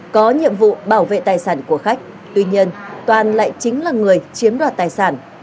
có nhiệm vụ bảo vệ tài sản của khách tuy nhiên toàn lại chính là người chiếm đoạt tài sản